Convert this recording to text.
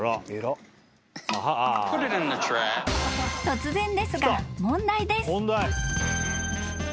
［突然ですが問題です］